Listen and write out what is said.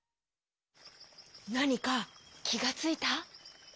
なにかきがついた？